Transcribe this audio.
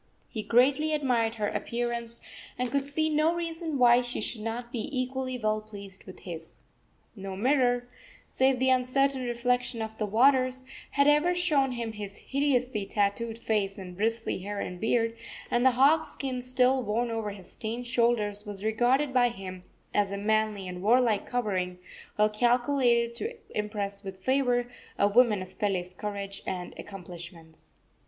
He greatly admired her appearance, and could see no reason why she should not be equally well pleased with his. No mirror, save the uncertain reflection of the waters, had ever shown him his hideously tattooed face and bristly hair and beard, and the hog skin still worn over his stained shoulders was regarded by him as a manly and warlike covering, well calculated to impress with favor a woman of Pele's courage and accomplishments.